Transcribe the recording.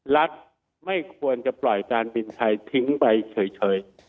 รัฐไม่ควรจะปล่อยการบินไทยทิ้งไปเฉย